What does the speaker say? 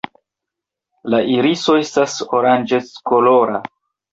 La iriso estas oranĝeckolora.